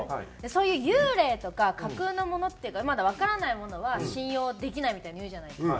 そういう幽霊とか架空のものっていうかまだわからないものは信用できないみたいに言うじゃないですか。